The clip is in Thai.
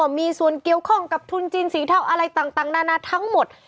มีส่วนเกี่ยวข้องกับทุนจีนสีเทาอะไรต่างนานาทั้งหมด